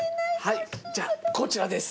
はいじゃあこちらです。